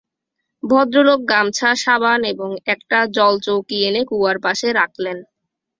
ভদ্রলোক গামছা, সাবান এবং একটা জলচৌকি এনে কুয়ার পাশে রাখলেন।